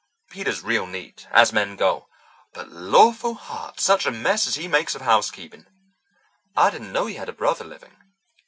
Peter's real neat, as men go, but, lawful heart, such a mess as he makes of housekeeping! I didn't know you had a brother living."